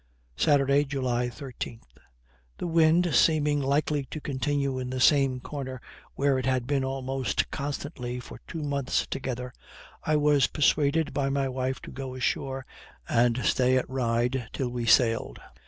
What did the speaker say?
Saturday, July 13. The wind seeming likely to continue in the same corner where it had been almost constantly for two months together, I was persuaded by my wife to go ashore and stay at Ryde till we sailed.